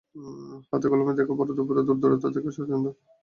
হাতে খাতা-কলম দেখে ভরদুপুরেও দূর-দূরান্ত থেকে আসা স্বজনহারাদের ভিড়টা বাড়তেই থাকে।